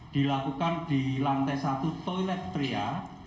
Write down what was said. dilakukan di lantai satu toilet pria